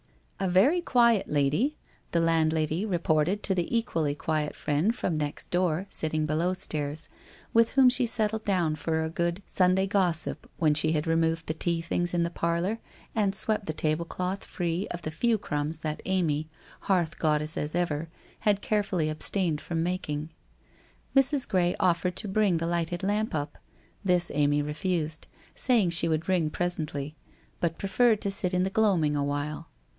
' A very quiet lady,' the landlady reported to the equally quiet friend from next door sitting below stairs, with whom she settled down for her good Sunday gossip when she had removed the tea things in the parlour and swept the table cloth free of the few crumbs that Amy, hearth goddess as ever, had carefully abstained from making. Mrs. Gray offered to bring the lighted lamp up : this Amy refused, saying she would ring presently, but preferred to sit in the gloaming awhile.